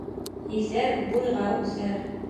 Иҫәр буйға үҫәр.